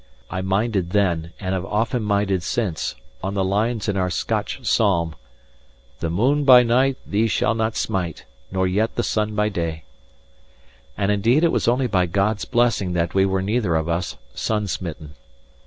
I minded then, and have often minded since, on the lines in our Scotch psalm: "The moon by night thee shall not smite, Nor yet the sun by day;" and indeed it was only by God's blessing that we were neither of us sun smitten.